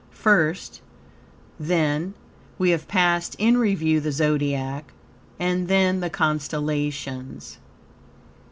First, then, we have passed in review the Zodiac, and then the constellations.